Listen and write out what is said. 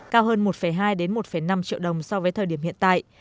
cao hơn một hai một năm triệu đồng so với thời điểm hiện tại